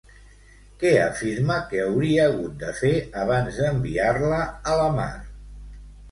Què afirma que hauria hagut de fer abans d'enviar-la a la mar?